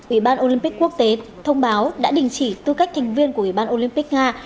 ủy ban olympic quốc tế thông báo đã đình chỉ tư cách thành viên của ủy ban olympic nga